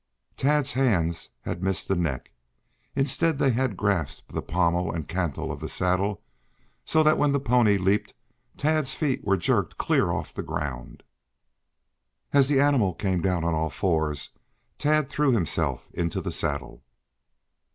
Tad's hands had missed the neck. Instead they had grasped the pommel and cantle of the saddle, so that when the pony leaped, Tad's feet were jerked clear of the ground. As the animal came down on all fours, Tad threw himself into the saddle.